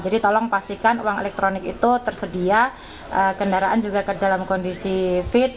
jadi tolong pastikan uang elektronik itu tersedia kendaraan juga dalam kondisi fit